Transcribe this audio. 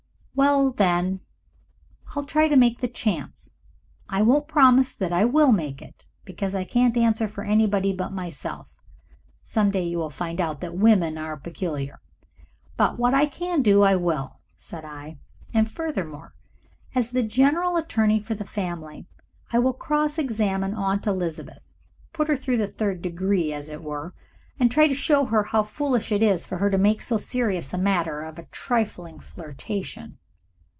"Well, then I'll try to make the chance. I won't promise that I will make it, because I can't answer for anybody but myself. Some day you will find out that women are peculiar. But what I can do I will," said I. "And, furthermore, as the general attorney for the family I will cross examine Aunt Elizabeth put her through the third degree, as it were, and try to show her how foolish it is for her to make so serious a matter of a trifling flirtation."